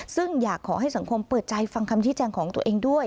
ซึ่งอยากขอให้สังคมเปิดใจฟังคำชี้แจงของตัวเองด้วย